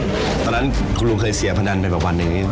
ตอนนั้นคุณลุงเคยเสียพนันเป็นประมาณหนึ่ง